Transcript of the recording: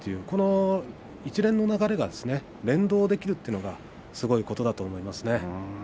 この一連の流れが連動できるというのはすごいことだと思います。